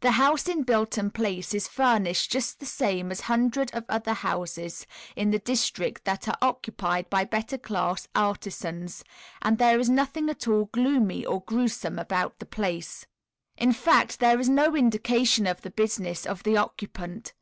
The house in Bilton Place is furnished just the same as hundred of other houses in the district that are occupied by better class artisans, and there is nothing at all gloomy or gruesome about the place. In fact, there is no indication of the business of the occupant.